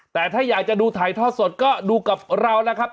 แต่ถ้าอยากจะดูถ่ายทอดสดก็ดูกับเรานะครับ